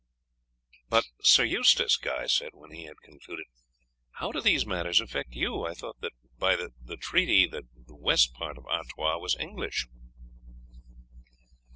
"But, Sir Eustace," Guy said, when he had concluded, "how do these matters affect you? I thought that by the treaty the west part of Artois was English."